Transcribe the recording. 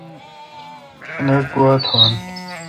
خلق گوا تھان۔